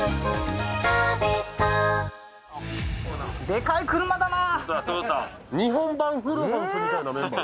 でかい車だな。